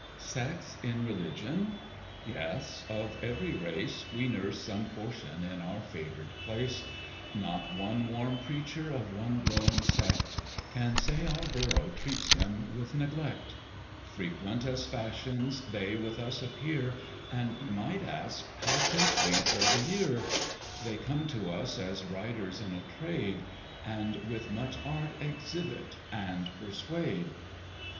"SECTS in Religion?" Yes of every race We nurse some portion in our favour'd place; Not one warm preacher of one growing sect Can say our Borough treats him with neglect: Frequent as fashions they with us appear, And you might ask, "how think we for the year?" They come to us as riders in a trade, And with much art exhibit and persuade.